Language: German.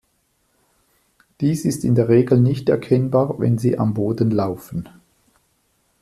Dies ist in der Regel nicht erkennbar, wenn sie am Boden laufen.